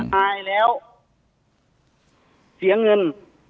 ถ้าอายแล้วเสียเงิน